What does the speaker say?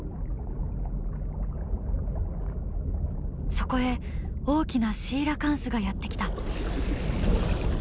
そこへ大きなシーラカンスがやって来た。